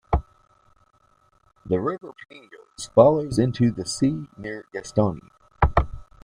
The river Pineios flows into the sea near Gastouni.